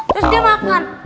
terus dia makan